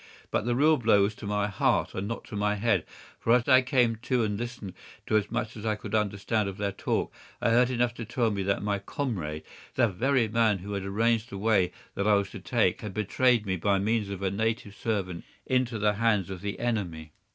But the real blow was to my heart and not to my head, for as I came to and listened to as much as I could understand of their talk, I heard enough to tell me that my comrade, the very man who had arranged the way that I was to take, had betrayed me by means of a native servant into the hands of the enemy.